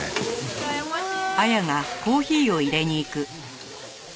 うらやましい！